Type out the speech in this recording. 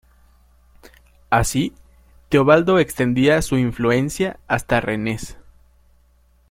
Así, Teobaldo extendía su influencia hasta Rennes.